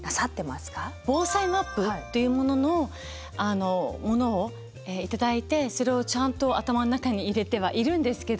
防災マップっていうもののあのものを頂いてそれをちゃんと頭の中に入れてはいるんですけど。